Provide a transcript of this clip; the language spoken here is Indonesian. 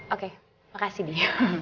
oke makasih di